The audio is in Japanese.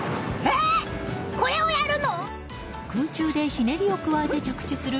空中でひねりを加えて着地する